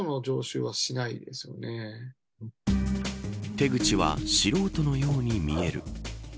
手口は素人のように見える。